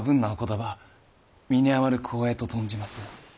葉身に余る光栄と存じます。